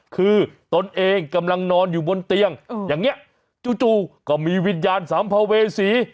คือตนเองกำลังนอนอยู่บนเตียงอย่างนี้จู่ก็มีวิญญาณสัมภเวษี